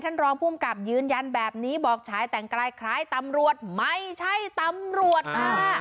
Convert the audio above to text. รองภูมิกับยืนยันแบบนี้บอกชายแต่งกายคล้ายตำรวจไม่ใช่ตำรวจค่ะ